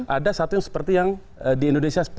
ada satu yang seperti yang di indonesia